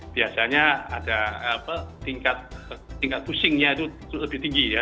biasanya ada tingkat pusingnya itu lebih tinggi ya